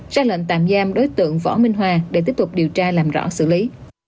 ra lệnh tạm giam đối tượng võ minh hòa để tiếp tục điều tra làm rõ xử lý